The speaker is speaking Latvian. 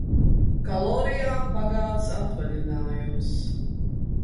Kalorijām bagāts atvaļinājums...